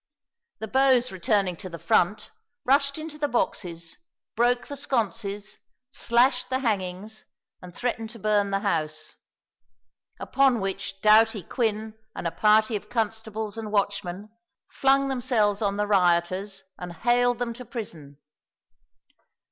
The beaux returning to the front, rushed into the boxes, broke the sconces, slashed the hangings, and threatened to burn the house; upon which doughty Quin and a party of constables and watchmen flung themselves on the rioters and haled them to prison.